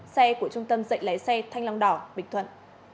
xe của trung tâm dạy lái xe thanh long đỏ bình thuận